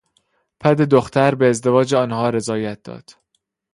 پد دختر به ازدواج آنها رضایت داد.